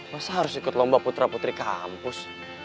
masa harus ikut lomba putra putri ke kampus